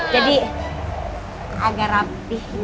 jadi agak rapih